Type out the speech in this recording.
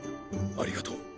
ありがとう。